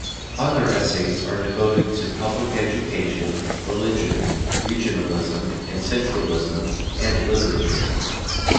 Other essays are devoted to public education, religion, regionalism and centralism, and literature.